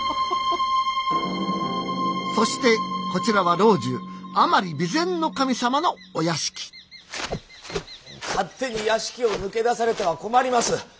そしてこちらは老中甘利備前守様のお屋敷勝手に屋敷を抜け出されては困ります！